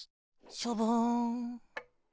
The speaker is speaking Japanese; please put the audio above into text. ショボン。